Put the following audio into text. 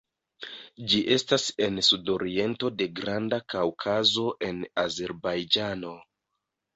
Ĝi estas en sudoriento de Granda Kaŭkazo en Azerbajĝano.